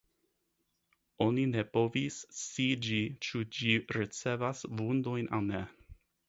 Oni ne povis sciiĝi ĉu ĝi ricevas vundojn aŭ ne.